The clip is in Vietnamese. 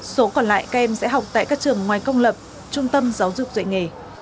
số còn lại các em sẽ học tại các trường ngoài công lập trung tâm giáo dục dạy nghề